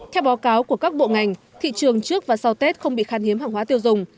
theo báo cáo của các bộ ngành thị trường trước và sau tết không bị khan hiếm hàng hóa tiêu dùng